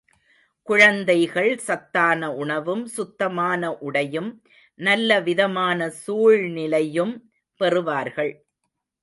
குழந்தைகள் சத்தான உணவும், சுத்தமான உடையும் நல்ல விதமான சூழ்நிலையும் பெறுவார்கள்.